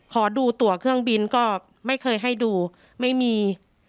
ขอดูตัวเครื่องบินก็ไม่เคยให้ดูไม่มี